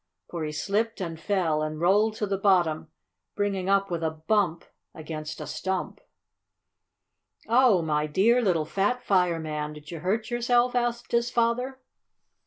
For he slipped and fell, and rolled to the bottom, bringing up with a bump against a stump. "Oh, my dear little fat fireman! Did you hurt yourself?" asked his father.